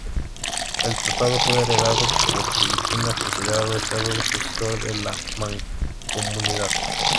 El tratado fue heredado por Filipinas, considerado "estado sucesor" de la Mancomunidad.